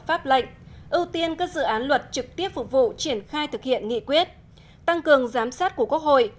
pháp lệnh ưu tiên các dự án luật trực tiếp phục vụ triển khai thực hiện nghị quyết tăng cường giám sát của quốc hội